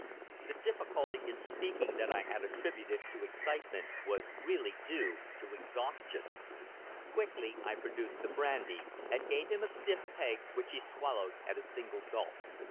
The difficulty in speaking that I had attributed to excitement was really due to exhaustion. Quickly I produced the brandy, and gave him a stiff peg, which he swallowed at a single gulp.